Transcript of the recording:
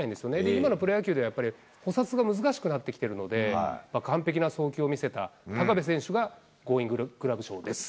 今のプロ野球では、やっぱり捕殺が難しくなっているので、完璧な送球を見せた、高部選手が、ゴーインググラブ賞です。